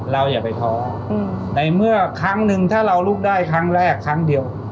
อย่าไปท้อในเมื่อครั้งหนึ่งถ้าเราลุกได้ครั้งแรกครั้งเดียว